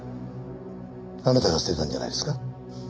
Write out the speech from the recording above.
あなたが捨てたんじゃないですか？